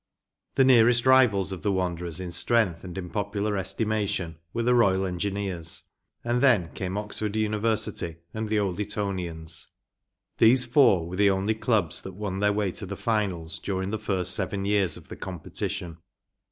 The nearest rivals of the Wanderers in strength and in popular estimation were the Royal Engineers; and then came Oxford University and the Old Etonians. These four were the only clubs that won their way to the finals during the first seven years of the competition.